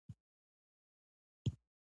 د کاریز پاکول په اشر کیږي.